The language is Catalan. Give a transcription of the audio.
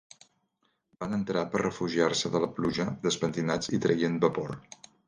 Van entrar per refugiar-se de la pluja, despentinats i traient vapor.